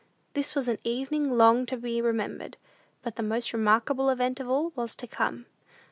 This was an evening long to be remembered; but the most remarkable event of all was to come.